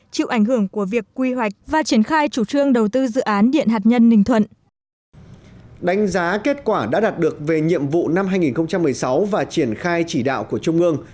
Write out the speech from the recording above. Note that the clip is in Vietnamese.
đánh giá kết quả đã đạt được về nhiệm vụ năm hai nghìn một mươi sáu và triển khai chỉ đạo của trung ương